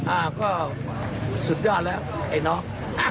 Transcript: อ่าก็สุดยอดแล้วไอ้น้อง